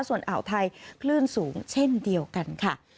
ส่วนอ่าวไทยคลื่นสูงเช่นเดียวกันค่ะ